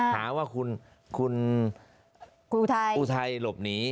หาว่าคุณอุทัยหลบหนี